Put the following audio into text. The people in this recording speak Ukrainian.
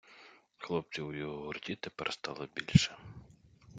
Хлопців у його гурті тепер стало більше.